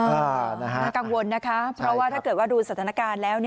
น่ากังวลนะคะเพราะว่าถ้าเกิดว่าดูสถานการณ์แล้ว